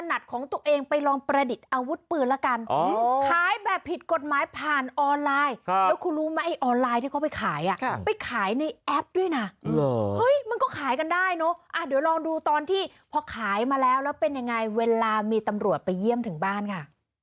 มันก็ขายกันได้เนอะเดี๋ยวลองดูตอนที่พอขายมาแล้วแล้วเป็นยังไงเวลามีตำรวจไปเยี่ยมถึงบ้านค่ะ